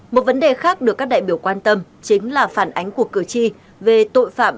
một vấn đề khác được các đại biểu quan tâm chính là phản ánh của cử tri về tội phạm